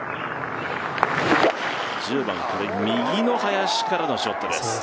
１０番、右の林からのショットです。